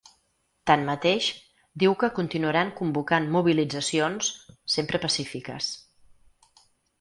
Tanmateix, diu que continuaran convocant mobilitzacions, ‘sempre pacífiques’.